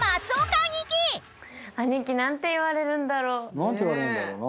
何て言われるんだろうな。